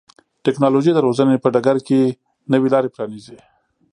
ټکنالوژي د روزنې په ډګر کې نوې لارې پرانیزي.